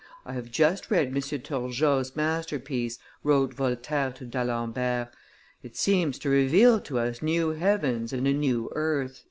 "I have just read M. Turgot's masterpiece," wrote Voltaire to D'Alembert "it seems to reveal to us new heavens and a new earth."